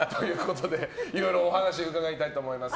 いろいろお話伺いたいと思います。